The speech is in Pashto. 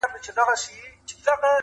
يو څو ژونده يې لاسو کي را ايسار دي~